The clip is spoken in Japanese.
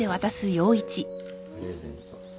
プレゼント